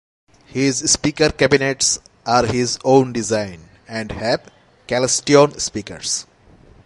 His speaker cabinets are his own design, and have Celestion speakers.